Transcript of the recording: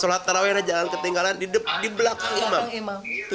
surat tarawayana jangan ketinggalan di belakang imam